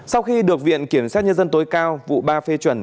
sau khi được viện kiểm sát nhân dân tối cao vụ ba phê chuẩn